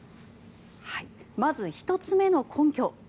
まず１つ目の根拠